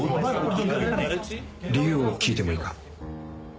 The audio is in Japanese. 理由を聞いてもいいか？